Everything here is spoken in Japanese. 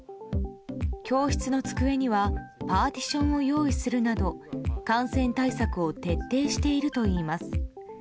教室の机にはパーティションを用意するなど感染対策を徹底しているといいます。